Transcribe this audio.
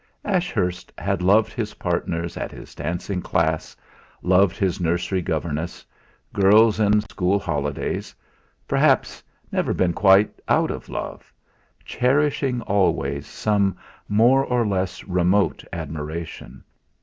Ashurst had loved his partners at his dancing class; loved his nursery governess; girls in school holidays; perhaps never been quite out of love, cherishing always some more or less remote admiration.